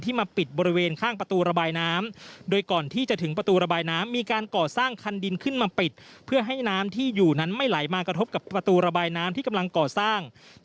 ที่มาปิดบริเวณข้างประตูระบายน้ำ